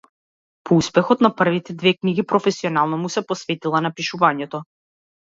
По успехот на првите две книги професионално му се посветила на пишувањето.